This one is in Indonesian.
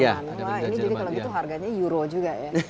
jadi kalau gitu harganya euro juga ya